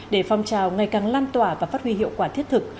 để phong trào ngày càng lan tỏa và phát huy hiệu quả thiết thực